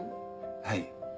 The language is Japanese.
はい。